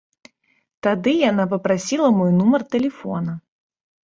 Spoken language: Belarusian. Тады яна папрасіла мой нумар тэлефона.